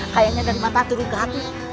kayanya dari mata turun ke hati